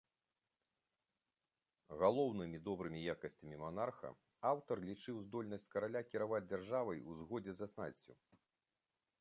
Галоўнымі добрымі якасцямі манарха аўтар лічыў здольнасць караля кіраваць дзяржавай у згодзе са знаццю.